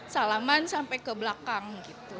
salaman sampai ke belakang gitu